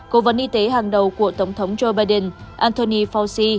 cổ vấn y tế hàng đầu của tổng thống joe biden anthony fauci